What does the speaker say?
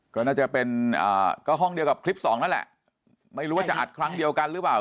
ก็น่าจะเป็นก็ห้องเดียวกับคลิปสองนั่นแหละไม่รู้ว่าจะอัดครั้งเดียวกันหรือเปล่า